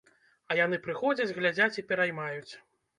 А яны прыходзяць, глядзяць і пераймаюць.